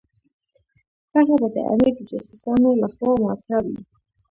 هغه به د امیر د جاسوسانو لخوا محاصره وي.